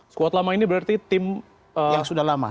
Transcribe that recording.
squad lama ini berarti tim yang sudah lama